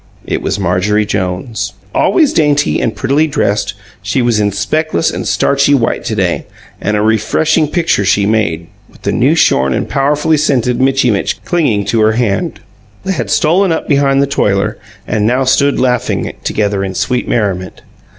It was Marjorie Jones. Always dainty, and prettily dressed, she was in speckless and starchy white to day, and a refreshing picture she made, with the new shorn and powerfully scented Mitchy Mitch clinging to her hand. They had stolen up behind the toiler, and now stood laughing together in sweet merriment.